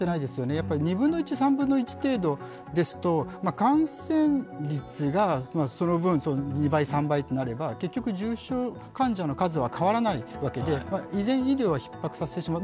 やっぱり２分の１、３分の１程度ですと感染率がその分、２倍、３倍となれば、結局、重症患者の数は変わらないわけで、依然、医療はひっ迫させてしまう。